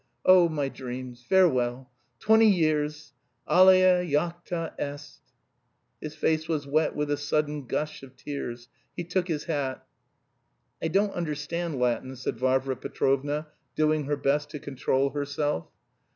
Oh, my dreams. Farewell. Twenty years. Alea jacta est!" His face was wet with a sudden gush of tears. He took his hat. "I don't understand Latin," said Varvara Petrovna, doing her best to control herself.